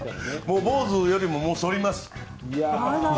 坊主よりも、そります。